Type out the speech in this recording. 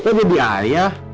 iya kan jadi ayah